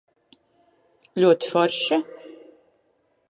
Ļoti forši?